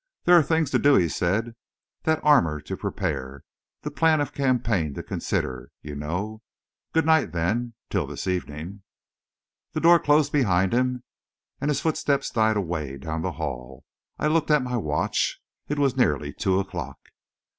"There are things to do," he said; "that armour to prepare the plan of campaign to consider, you know. Good night, then, till this evening!" The door closed behind him, and his footsteps died away down the hall. I looked at my watch it was nearly two o'clock.